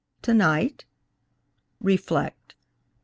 tonight? Reflect.